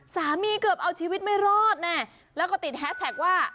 สามีเกือบเอาชีวิตไม่รอดแน่แล้วก็ติดแฮสแท็กว่า